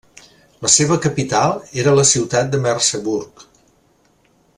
La seva capital era la ciutat de Merseburg.